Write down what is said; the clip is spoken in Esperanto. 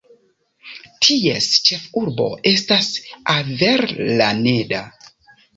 Ties ĉefurbo estas Avellaneda.